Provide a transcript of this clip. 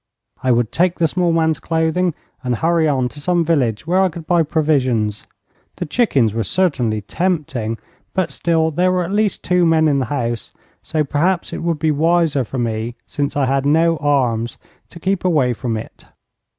I would take the small man's clothing, and hurry on to some village where I could buy provisions. The chickens were certainly tempting, but still there were at least two men in the house, so perhaps it would be wiser for me, since I had no arms, to keep away from it.